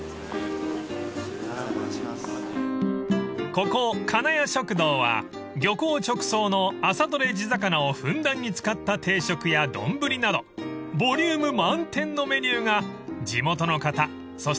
［ここ金谷食堂は漁港直送の朝取れ地魚をふんだんに使った定食や丼などボリューム満点のメニューが地元の方そして観光客に大人気］